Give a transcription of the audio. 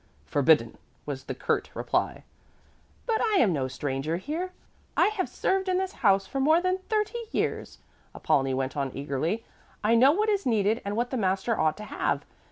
"Forbidden," was the curt reply. "But I am no stranger here. I have served in this house for more than thirty years," Apollonie went on eagerly. "I know what is needed and what the master ought to have.